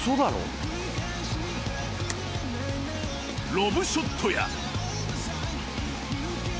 ［ロブショットや］